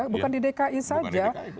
bukan di dki saja